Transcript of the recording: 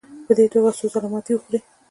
په دې توګه څو ځله ماتې وخوړې.